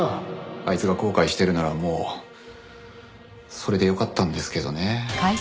あいつが後悔してるならもうそれでよかったんですけどね。